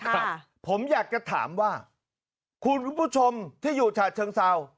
ครับผมอยากจะถามว่าคุณผู้ชมที่อยู่ฉาเชิงเศร้า